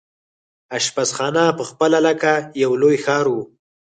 اشپزخانه پخپله لکه یو لوی ښار وو.